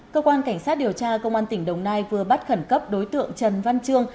cơ quan cảnh sát điều tra công an tỉnh đồng nai vừa bắt khẩn cấp đối tượng trần văn trương